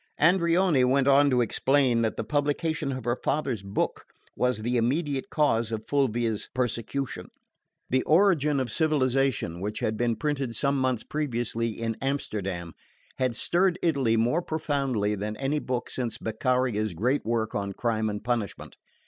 Andreoni went on to explain that the publication of her father's book was the immediate cause of Fulvia's persecution. The Origin of Civilisation, which had been printed some months previously in Amsterdam, had stirred Italy more profoundly than any book since Beccaria's great work on Crime and Punishment.